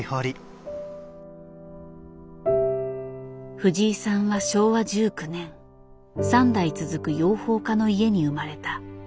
藤井さんは昭和１９年３代続く養蜂家の家に生まれた。